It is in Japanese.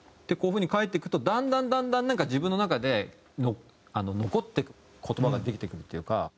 こういう風に書いていくとだんだんだんだん自分の中で残っていく言葉ができてくるっていうか。